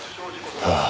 ああ。